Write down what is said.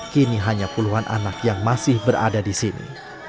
kini hanya puluhan anak yang masih berada disini